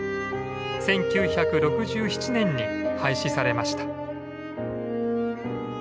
１９６７年に廃止されました。